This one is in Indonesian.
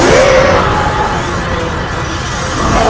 terbuka dengan pilihan itu